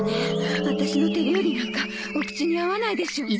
ワタシの手料理なんかお口に合わないでしょうね。